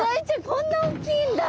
こんな大きいんだ。